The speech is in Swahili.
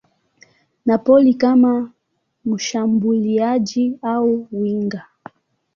Napoli kama mshambuliaji au winga.